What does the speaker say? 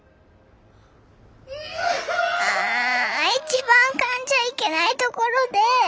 一番かんじゃいけないところで！